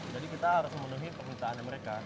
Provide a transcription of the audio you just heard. jadi kita harus memenuhi permintaannya mereka